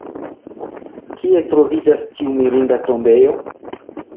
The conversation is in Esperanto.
Kie troviĝas tiu mirinda tombejo?